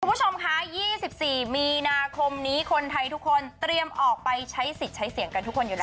คุณผู้ชมคะ๒๔มีนาคมนี้คนไทยทุกคนเตรียมออกไปใช้สิทธิ์ใช้เสียงกันทุกคนอยู่แล้ว